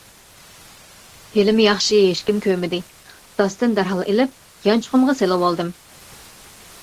ھېلىمۇ ياخشى ھېچكىم كۆرمىدى، داستىن دەرھال ئېلىپ، يانچۇقۇمغا سېلىۋالدىم.